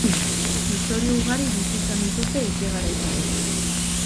Istorio ugari bizi izan dituzte etxegaraitarrek.